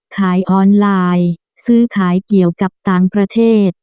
ขายออนไลน์ซื้อขายเกี่ยวกับต่างประเทศ